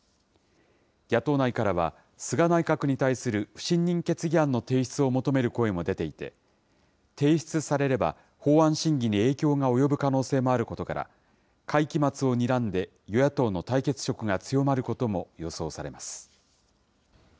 野党内からは、菅内閣に対する不信任決議案の提出を求める声も出ていて、提出されれば、法案審議に影響が及ぶ可能性もあることから、会期末をにらんで、与野党の対決色が強まることも予想されます。